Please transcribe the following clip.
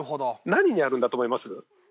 何にあるんだと思います？